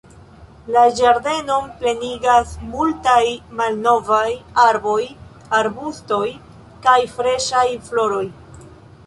La ĝardenon plenigas multaj malnovaj arboj, arbustoj kaj freŝaj floroj.